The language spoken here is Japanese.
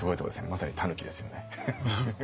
まさにたぬきですよね。